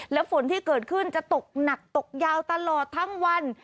และฝนที่เกิดขึ้นจะตกหนักตกยาวตลอดทั้งวัน